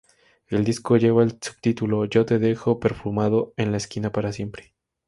El disco lleva el subtítulo Yo te dejo perfumado en la esquina para siempre.